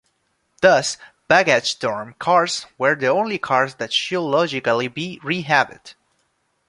Thus, baggage-dorm cars were the only cars that should logically be rehabbed.